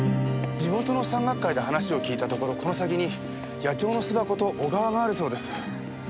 地元の山岳会で話を聞いたところこの先に野鳥の巣箱と小川があるそうです。